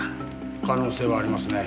可能性はありますね。